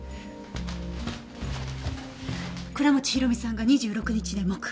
倉持広美さんが２６日で木。